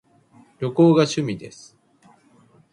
旅行が趣味です